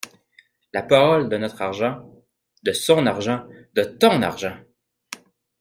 La parole de notre argent, de son argent, de ton argent!